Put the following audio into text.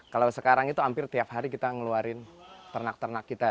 kalau sekarang itu hampir tiap hari kita ngeluarin ternak ternak kita